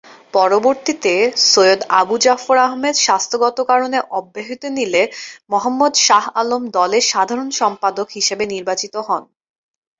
পরবর্তীতে সৈয়দ আবু জাফর আহমদ স্বাস্থ্যগত কারণে অব্যাহতি নিলে মোহাম্মদ শাহ আলম দলের সাধারণ সম্পাদক হিসেবে নির্বাচিত হন।